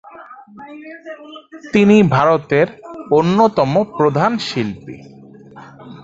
তিনি ভারতের অন্যতম প্রধান শিল্পী।